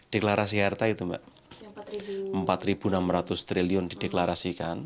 deklarasi harta itu mbak empat enam ratus triliun dideklarasikan